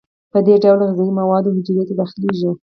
په دې ډول غذایي مواد حجرې ته داخلیږي.